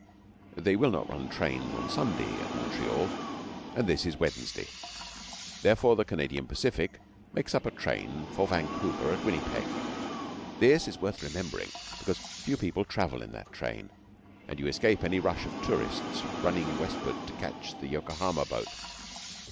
They will not run trains on Sunday at Montreal, and this is Wednesday. Therefore, the Canadian Pacific makes up a train for Vancouver at Winnipeg. This is worth remembering, because few people travel in that train, and you escape any rush of tourists running westward to catch the Yokohama boat.